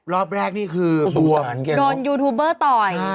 รอบแรกนี่คือโดนยูทูบเบอร์ต่อย